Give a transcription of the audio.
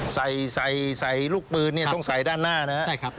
ใส่ใส่ใส่ลูกปืนเนี่ยต้องใส่ด้านหน้านะครับใช่ครับ